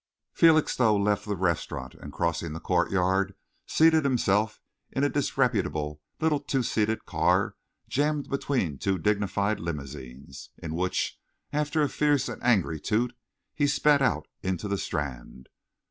Felixstowe left the restaurant and, crossing the courtyard, seated himself in a disreputable little two seated car jammed between two dignified limousines, in which, after a fierce and angry toot, he sped out into the Strand.